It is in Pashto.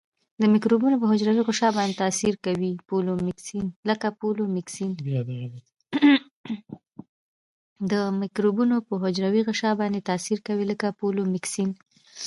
د مکروبونو په حجروي غشا باندې تاثیر کوي لکه پولیمیکسین.